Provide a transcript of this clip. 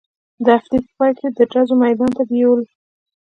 د هفتې په پاى کښې يې د ډزو ميدان ته بېولو.